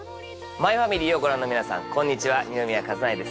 「マイファミリー」をご覧の皆さんこんにちは二宮和也です